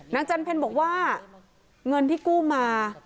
จันเพลบอกว่าเงินที่กู้มา